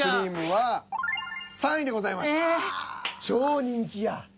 超人気や。